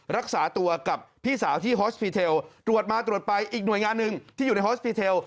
รักษาตัวกับพี่สาวที่ฮอสปีเทลตรวจมาตรวจไปอีกหน่วยงานหนึ่งที่อยู่ในฮอสปีเทล